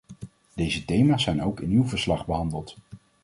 Deze thema's zijn ook in uw verslag behandeld.